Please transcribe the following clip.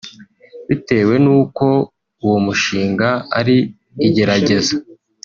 Bitewe n’uko uwo mushinga ari igerageza